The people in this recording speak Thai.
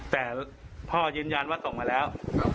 แต่พ่อยืนยันว่าส่งมาแล้ว